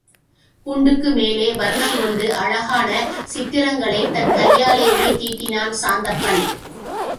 கூண்டுக்கு மேலே வர்ணங் கொண்டு அழகான சித்திரங்களைத் தன் கையாலேயே தீட்டினான் சாந்தப்பன்.